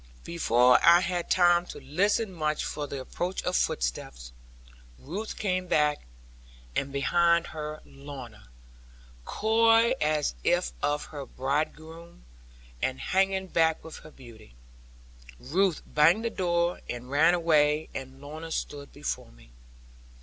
Before I had time to listen much for the approach of footsteps, Ruth came back, and behind her Lorna; coy as if of her bridegroom; and hanging back with her beauty. Ruth banged the door, and ran away; and Lorna stood before me.